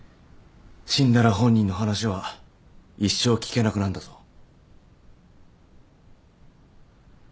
死んだら本人の話は一生聞けなくなんだぞ？